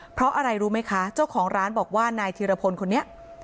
เพราะอะไรรู้ไหมคะเจ้าของร้านบอกว่านายธีรพลคนนี้